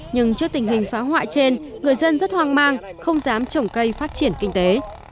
nhưng trước tình hình phá hoại trên người dân rất hoang mang không dám trồng cây phát triển kinh tế